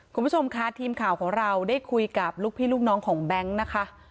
คุณผู้ชมค่ะทีมข่าวของเราได้คุยกับลูกพี่ลูกน้องของแบงค์นะคะ